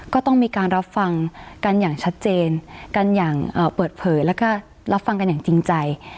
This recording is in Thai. ก็ต้องมีการรับฟังกันอย่างชัดเจนกันอย่างเปิดเผยแล้วก็รับฟังกันอย่างจริงใจ